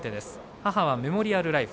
母はメモリアルライフ。